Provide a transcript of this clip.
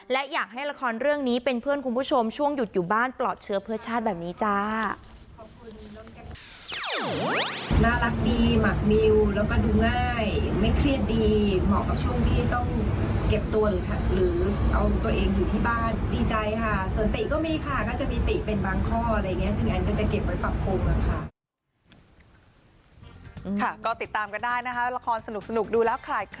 และอยากให้ละครเรื่องนี้เป็นเพื่อนคุณผู้ชมช่วงหยุดอยู่บ้านปลอดเชื้อเพื่อชาติแบบนี้จ้า